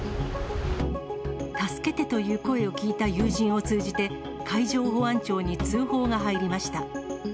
助けてという声を聞いた友人を通じて、海上保安庁に通報が入りました。